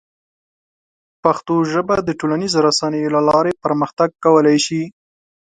پښتو ژبه د ټولنیزو رسنیو له لارې پرمختګ کولی شي.